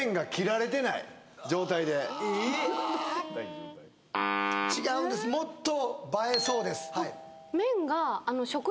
状態で違うんですもっと映えそうです